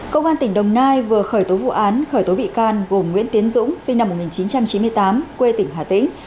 công an tỉnh đồng nai vừa khởi tố vụ án khởi tố bị can gồm nguyễn tiến dũng sinh năm một nghìn chín trăm chín mươi tám quê tỉnh hà tĩnh